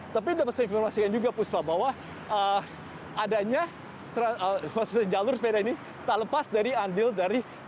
tapi dapat saya informasikan juga puspa bahwa adanya jalur sepeda ini tak lepas dari andil dari